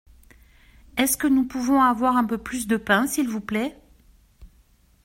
Est-ce que nous pouvons avoir un peu plus de pain s’il vous plait ?